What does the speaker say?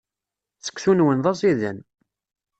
Seksu-nwen d aẓidan.